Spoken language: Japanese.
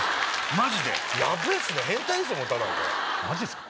マジっすか？